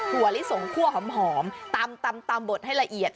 ลิสงคั่วหอมตำบดให้ละเอียด